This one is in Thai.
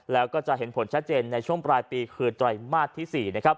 แล้วก็จะเห็นผลชัดเจนในช่วงปลายปีคือตรายมาตรที่๔